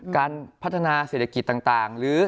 การพัฒนาเศรษฐกิจต่างหรือ